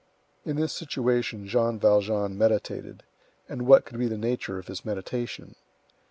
In this situation Jean Valjean meditated; and what could be the nature of his meditation?